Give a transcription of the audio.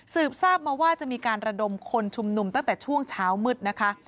ทราบมาว่าจะมีการระดมคนชุมนุมตั้งแต่ช่วงเช้ามืดนะคะ